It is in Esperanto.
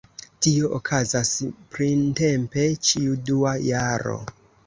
Tio okazas printempe ĉiu dua jaro.